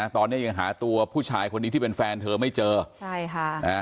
ตอนนี้ยังหาตัวผู้ชายคนนี้ที่เป็นแฟนเธอไม่เจอใช่ค่ะนะฮะ